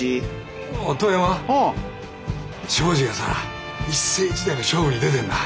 庄司がさ一世一代の勝負に出てんだ。